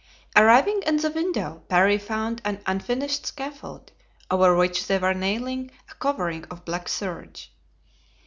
Arriving at the window Parry found an unfinished scaffold, over which they were nailing a covering of black serge.